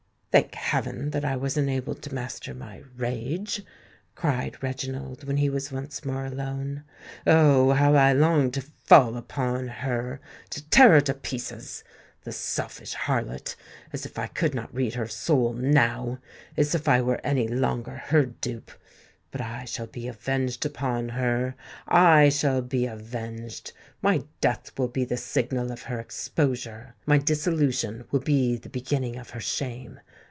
"Thank heaven that I was enabled to master my rage," cried Reginald, when he was once more alone. "Oh! how I longed to fall upon her—to tear her to pieces! The selfish harlot—as if I could not read her soul now—as if I were any longer her dupe. But I shall be avenged upon her—I shall be avenged! My death will be the signal of her exposure—my dissolution will be the beginning of her shame!